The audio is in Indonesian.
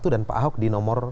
dan pak ahok di nomor dua